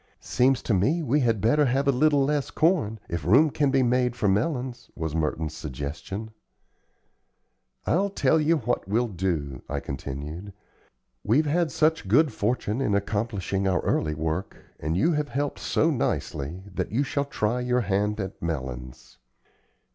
"Seems to me we had better have a little less corn, if room can be made for melons," was Merton's suggestion. "I'll tell you what we'll do," I continued. "We've had such good fortune in accomplishing our early work, and you have helped so nicely, that you shall try your hand at melons.